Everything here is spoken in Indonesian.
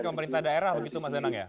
ke pemerintah daerah begitu mas enang ya